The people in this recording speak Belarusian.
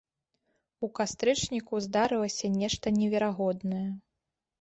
У кастрычніку здарылася нешта неверагоднае.